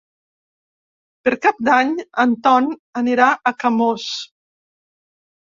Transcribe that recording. Per Cap d'Any en Ton anirà a Camós.